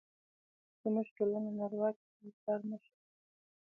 زموږ ټولنه نرواکې ده او پلار مشر دی